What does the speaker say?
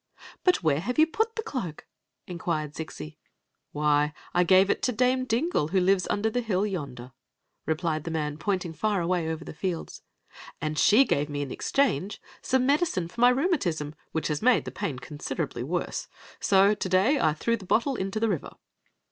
"But where have you put the cloak?" inquired ZixL "Why, I gave it to Dame Dingle, who lives under the hill yonder," replied the man, pointing far away over the fields; "and she gave rat in exc^mge scmiic O^een Zixi of Ix; or^ the medicine for my rheumatism, which has made the pain considerably worse. So to day I threw the bottle into the river."